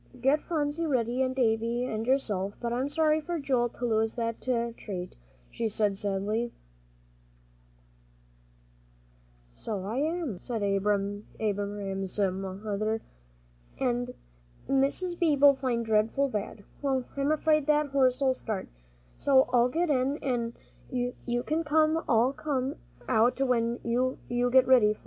"Get Phronsie ready, and Davie and yourself. But I'm sorry for Joey to lose the treat," she said sadly. "So'm I," said Abram's mother, "an' Mis' Beebe'll feel dreadful bad. Well, I'm afraid that horse'll start, so I'll get in, an' you can all come out when you get ready."